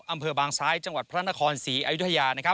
อำเภอบางซ้ายจังหวัดพระนครศรีอยุธยา